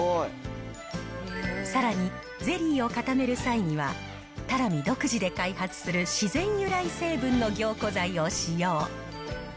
さらに、ゼリーを固める際には、たらみ独自で開発する自然由来成分の凝固剤を使用。